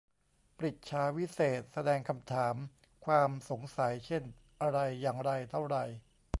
ปฤจฉาวิเศษณ์ แสดงคำถาม ความสงสัย เช่น อะไร อย่างไร เท่าไร